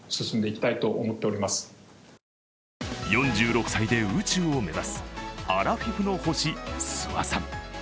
４６歳で宇宙を目指すアラフィフの星・諏訪さん。